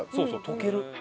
溶ける。